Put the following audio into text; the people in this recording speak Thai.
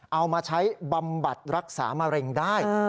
เอามาใช้บำบัดรักษามะเร็งได้